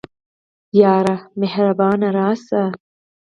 یاره مهربانه راسه